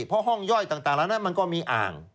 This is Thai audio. เพราะห้องย่อยต่างแล้วนั้นมันก็มีอ่าง